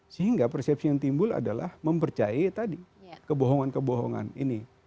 sehingga persepsi yang timbul adalah mempercayai tadi kebohongan kebohongan ini